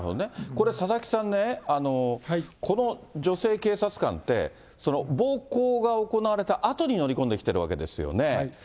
これ、佐々木さんね、この女性警察官って、暴行が行われたあとに乗り込んできてるわけですよね。